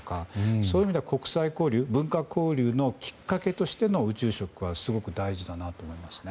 そう意味では国際交流文化交流のきっかけとしての宇宙食はすごく大事だなと思いますね。